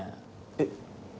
えっ。